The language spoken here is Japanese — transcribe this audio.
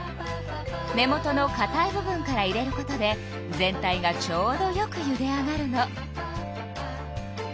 根元のかたい部分から入れることで全体がちょうどよくゆで上がるの。